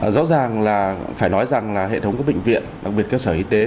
rõ ràng là phải nói rằng là hệ thống các bệnh viện đặc biệt các sở y tế